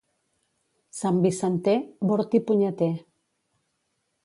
Santvicenter, bord i punyeter.